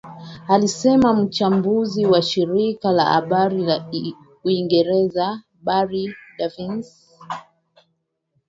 Alisema mchambuzi wa shirika la habari la Uingereza Barry Davies